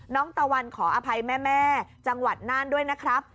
ตะวันขออภัยแม่จังหวัดน่านด้วยนะครับ